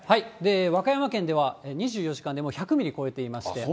和歌山県では、２４時間でもう１００ミリ超えていまして。